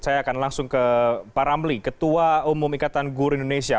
saya akan langsung ke pak ramli ketua umum ikatan guru indonesia